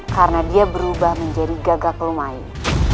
karena dia berubah menjadi gagak lumayan